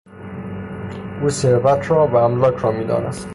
او ثروت را و املاک را میدانست.